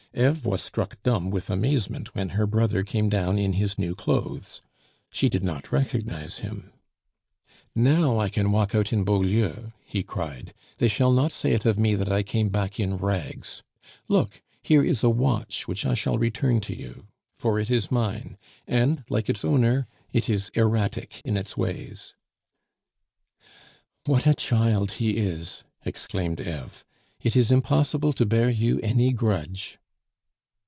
Eve was struck dumb with amazement when her brother came down in his new clothes. She did not recognize him. "Now I can walk out in Beaulieu," he cried; "they shall not say it of me that I came back in rags. Look, here is a watch which I shall return to you, for it is mine; and, like its owner, it is erratic in its ways." "What a child he is!" exclaimed Eve. "It is impossible to bear you any grudge."